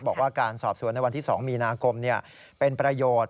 บอกว่าการสอบสวนในวันที่๒มีนาคมเป็นประโยชน์